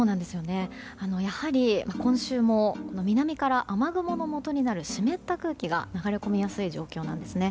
やはり今週も南から雨雲のもとになる湿った空気が流れ込みやすい状況なんですね。